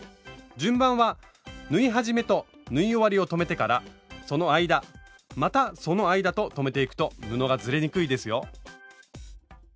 順番は縫い始めと縫い終わりを留めてからその間またその間と留めていくと布がずれにくいですよ。